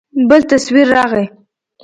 بل تصوير راغى.